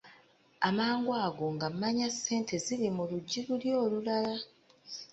Amangu ago ng'amanya ssente ziri mu luggi luli olulala.